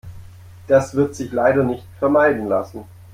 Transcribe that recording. Das wird sich leider nicht vermeiden lassen.